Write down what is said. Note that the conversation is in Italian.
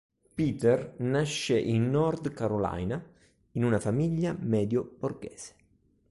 Peter nasce in Nord Carolina in una famiglia medio borghese.